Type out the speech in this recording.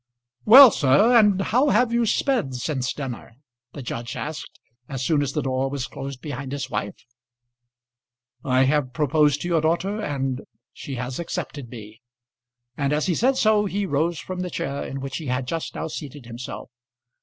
"Well, sir! and how have you sped since dinner?" the judge asked as soon as the door was closed behind his wife. "I have proposed to your daughter and she has accepted me." And as he said so he rose from the chair in which he had just now seated himself.